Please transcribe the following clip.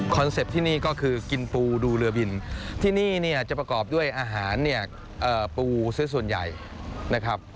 คอนเซปต์ที่นี่ก็คือกินปูดูเรือบินที่นี่จะประกอบด้วยอาหารปูซึ่งส่วนใหญ่นะครับ